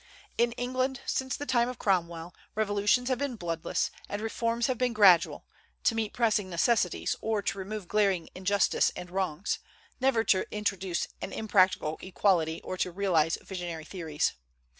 In England, since the time of Cromwell, revolutions have been bloodless; and reforms have been gradual, to meet pressing necessities, or to remove glaring injustice and wrongs, never to introduce an impractical equality or to realize visionary theories.